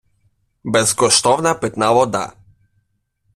Безкоштовна питна вода.